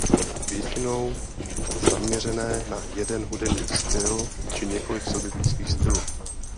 Většinou zaměřené na jeden hudební styl či několik sobě blízkých stylů.